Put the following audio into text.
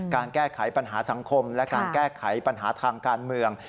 การแก้ไขปัญหาสังคมและการแก้ไขปัญหาทางการเมือง